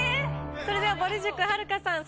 それではぼる塾はるかさん